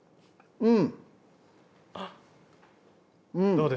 うん。